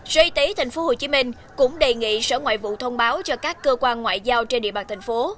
sở y tế tp hcm cũng đề nghị sở ngoại vụ thông báo cho các cơ quan ngoại giao trên địa bàn thành phố